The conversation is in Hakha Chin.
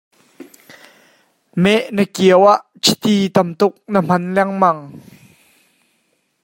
Meh na kiau ah chiti tamtuk na hman lengmang.